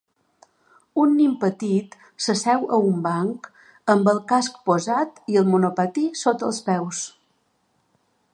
Un nen petit s'asseu a un banc amb el casc posat i el monopatí sota els peus.